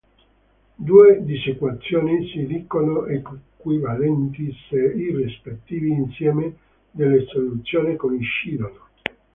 Due disequazioni si dicono "equivalenti" se i rispettivi insiemi delle soluzioni coincidono.